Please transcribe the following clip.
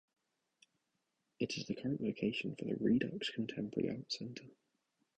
It is the current location for the Redux Contemporary Art Center.